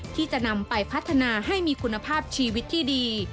ที่จะนำไปพัฒนาให้มีคุณภาพชีวิตที่ดี